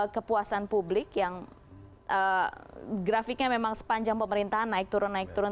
kepuasan publik yang grafiknya memang sepanjang pemerintahan naik turun naik turun